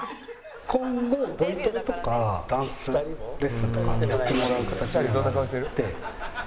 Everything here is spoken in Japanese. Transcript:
今後ボイトレとかダンスレッスンとかやってもらう形になるので。